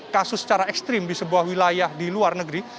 kasus secara ekstrim di sebuah wilayah di luar negeri